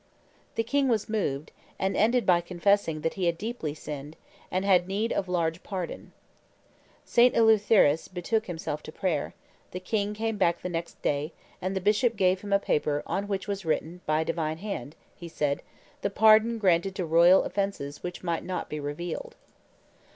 The king was moved, and ended by confessing that he had deeply sinned and had need of large pardon. St. Eleutherus betook himself to prayer; the king came back the next day, and the bishop gave him a paper on which was written by a divine hand, he said, "The pardon granted to royal offences which might not be revealed."